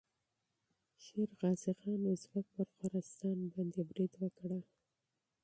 شېرغازي خان اوزبک پر خراسان باندې حمله وکړه.